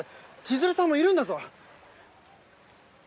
千鶴さんもいるんだぞ！